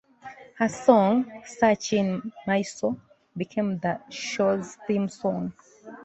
Her song "Searchin' My Soul" became the show's theme song.